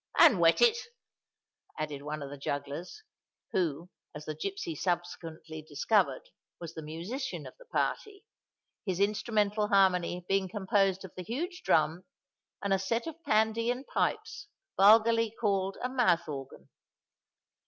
"And wet it," added one of the jugglers, who, as the gipsy subsequently discovered, was the musician of the party—his instrumental harmony being composed of the huge drum and a set of Pandean pipes, vulgarly called a mouth organ.